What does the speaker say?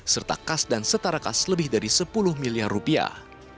serta kas dan setara kas lebih dari sepuluh miliar rupiah